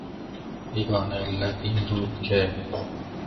یگانه علت این بود که...